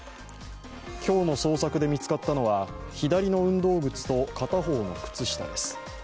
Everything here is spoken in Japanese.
今日の捜索で見つかったのは左の運動靴と片方の靴下です。